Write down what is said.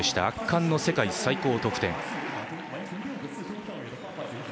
圧巻の世界最高得点。